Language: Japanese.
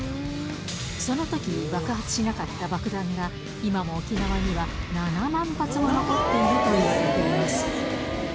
そのときに爆発しなかった爆弾が、今も沖縄には７万発も残っているといわれています。